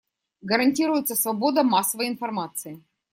Гарантируется свобода массовой информации.